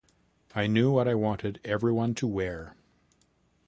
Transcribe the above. I knew what I wanted everyone to wear.